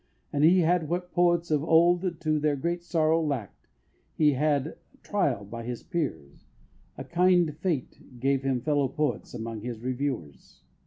And he had what poets of old to their great sorrow lacked; he had trial by his peers; a kind fate gave him fellow poets among his reviewers.